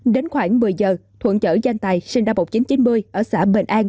đến khoảng một mươi giờ thuận chở danh tài sinh năm một nghìn chín trăm chín mươi ở xã bình an